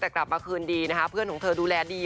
แต่กลับมาคืนดีนะคะเพื่อนของเธอดูแลดี